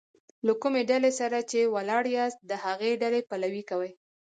له کومي ډلي سره چي ولاړ یاست؛ د هغي ډلي پلوي کوئ!